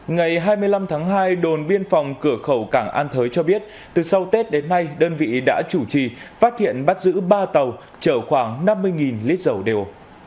ngày hai mươi năm tháng hai đồn biên phòng cửa khẩu cảng an thới cho biết từ sau tết đến nay đơn vị đã chủ trì phát hiện bắt giữ ba tàu chở khoảng năm mươi lít dầu đều